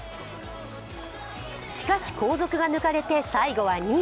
しかし、後続が抜かれて最後は２位。